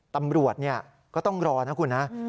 ตำรวจเนี่ยก็ต้องรอนะครูนะฮะ